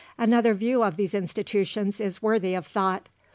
Another view of these institutions is worthy of thought.